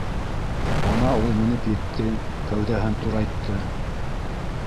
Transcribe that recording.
Ана ул менеп етте, кәүҙәһен турайтты.